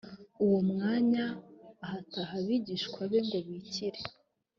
uwo mwanya ahata abigishwa be ngo bikire